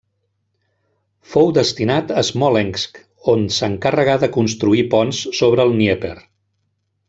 Fou destinat a Smolensk, on s'encarregà de construir ponts sobre el Dnièper.